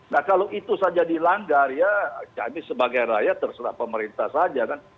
nah kalau itu saja dilanggar ya kami sebagai rakyat terserah pemerintah saja kan